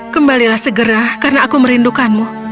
kembalilah segera karena aku merindukanmu